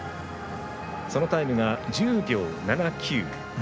そのタイムが１０秒７９。